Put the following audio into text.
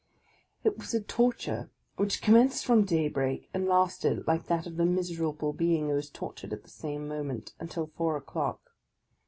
It was a torture which commenced from daybreak, and lasted, like that of the miserable being who was tortured at the same moment, until four o'clock.